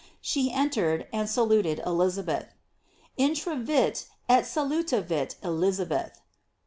She entered, and saluted Elizabeth: In travit et salutavit Elisabeth.